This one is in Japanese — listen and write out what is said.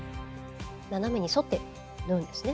斜めに沿って縫うんですね。